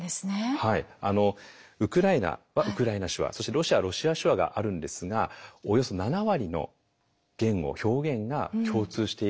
ウクライナはウクライナ手話そしてロシアはロシア手話があるんですがおよそ７割の言語表現が共通しているそうなんです。